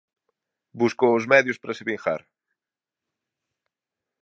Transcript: Buscou os medios para se vingar.